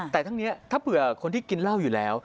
แต่ทั้งนี้ถ้าเผื่อคนที่กินเหล้าอยู่แล้ว